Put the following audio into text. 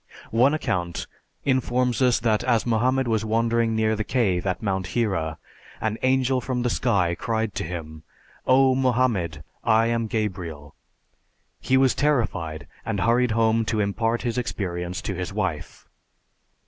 One account informs us that as Mohammed was wandering near the cave at Mount Hira, "an angel from the sky cried to him, 'O Mohammed, I am Gabriel!'" He was terrified and hurried home to impart his experience to his wife.